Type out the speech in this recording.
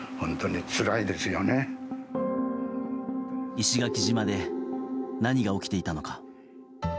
石垣島で何が起きていたのか。